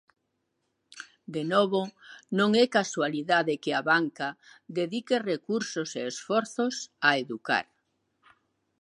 De novo, non é casualidade que a banca dedique recursos e esforzos a educar.